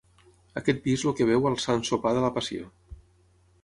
Aquest vi és el que beu al Sant Sopar de la Passió.